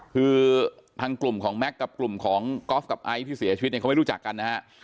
คือทางกลุ่มของแม็กซ์กับกลุ่มของกอล์ฟกับไอซ์ที่เสียชีวิตเนี่ยเขาไม่รู้จักกันนะฮะ